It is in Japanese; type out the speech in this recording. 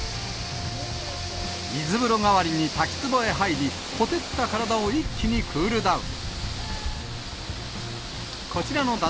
水風呂代わりに滝つぼへ入り、ほてった体を一気にクールダウン。